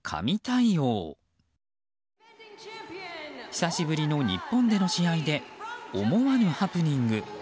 久しぶりの日本での試合で思わぬハプニング。